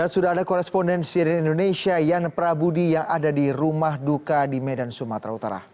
sudah ada korespondensi dari indonesia yan prabudi yang ada di rumah duka di medan sumatera utara